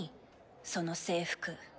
その制服。